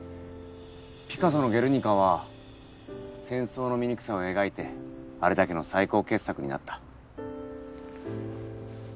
ピカソの『ゲルニカ』は戦争の醜さを描いてあれだけの最高傑作になった。